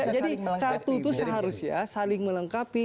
kartu itu seharusnya saling melengkapi